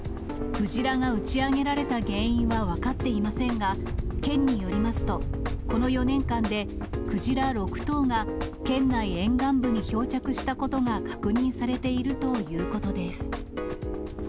クジラが打ち上げられた原因は分かっていませんが、県によりますと、この４年間でクジラ６頭が県内沿岸部に漂着したことが確認されているということです。